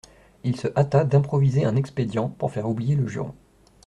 Il se hâta d'improviser un expédient pour faire oublier le juron.